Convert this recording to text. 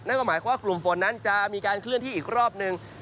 นั่นก็หมายความว่ากลุ่มฝนนั้นจะมีการเคลื่อนที่อีกรอบหนึ่ง